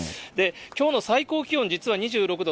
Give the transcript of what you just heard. きょうの最高気温、実は２６度。